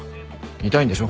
痛いんでしょ？